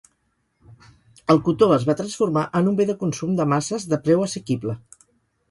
El cotó es va transformar en un bé de consum de masses de preu assequible.